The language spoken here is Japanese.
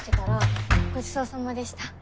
ごちそうさまでした。